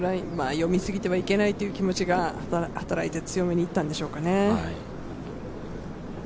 読みすぎてはいけないという気持ちが働いて強めにいったんでしょうかね。